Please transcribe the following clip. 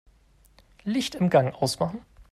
Licht im Gang ausmachen.